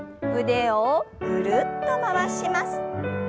腕をぐるっと回します。